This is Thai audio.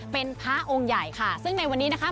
เป็นพระองค์ใหญ่ค่ะซึ่งในวันนี้นะคะ